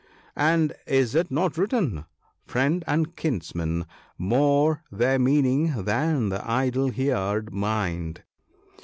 And is it not written —" Friend and kinsman — more their meaning than the idle hearled mind.